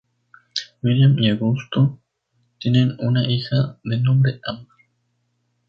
Miriam y Augusto tienen una hija de nombre Ámbar.